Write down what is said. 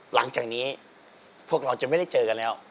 หลังจากนี้พวกเราจะไม่ได้เจอกันแล้ว